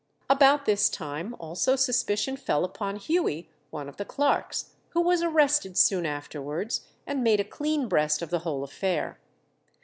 About this time also suspicion fell upon Huey, one of the clerks, who was arrested soon afterwards, and made a clean breast of the whole affair.